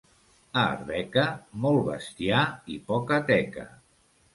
A Arbeca, molt bestiar i poca teca.